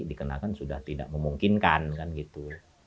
dikenakan sudah tidak memungkinkan kan gitu